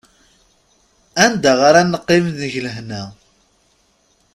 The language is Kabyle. Anda ara neqqim deg lehna.